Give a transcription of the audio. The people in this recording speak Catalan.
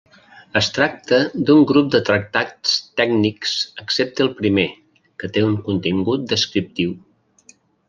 Es tracta d'un grup de tractats tècnics, excepte el primer, que té un contingut descriptiu.